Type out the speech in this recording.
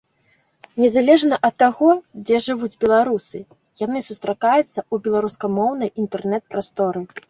Незалежна ад таго, дзе жывуць беларусы, яны сустракаюцца ў беларускамоўнай інтэрнэт-прасторы.